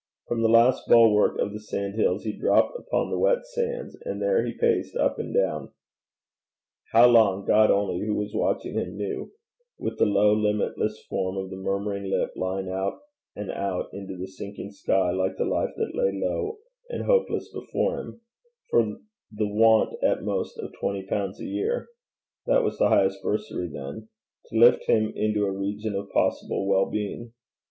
From the last bulwark of the sandhills he dropped upon the wet sands, and there he paced up and down how long, God only, who was watching him, knew with the low limitless form of the murmuring lip lying out and out into the sinking sky like the life that lay low and hopeless before him, for the want at most of twenty pounds a year (that was the highest bursary then) to lift him into a region of possible well being.